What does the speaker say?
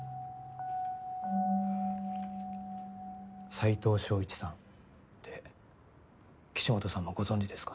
斎藤正一さんって岸本さんもご存じですか？